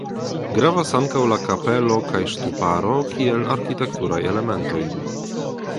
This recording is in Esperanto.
Gravas ankaŭ la kapelo kaj ŝtuparo kiel arkitekturaj elementoj.